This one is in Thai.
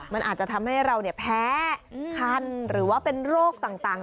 มันอาจจะทำให้เราแพ้คันหรือว่าเป็นโรคต่าง